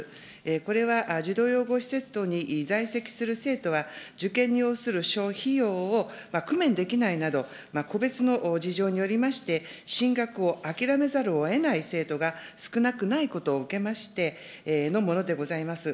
これは児童養護施設等に在籍する生徒は、受験に要する諸費用を工面できないなど、個別の事情によりまして、進学を諦めざるをえない生徒が少なくないことを受けましてのものでございます。